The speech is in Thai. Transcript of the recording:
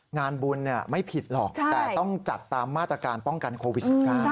งานบุญไม่ผิดหรอกแต่ต้องจัดตามมาตรการป้องกันโควิด๑๙